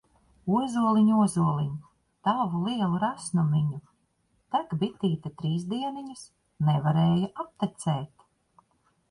Ozoliņ, ozoliņ, Tavu lielu resnumiņu! Tek bitīte trīs dieniņas, Nevarēja aptecēt!